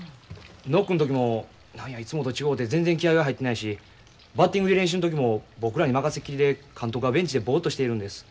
ノックの時も何やいつもと違うて全然気合いが入ってないしバッティングで練習の時も僕らに任せっきりで監督はベンチでボッとしているんです。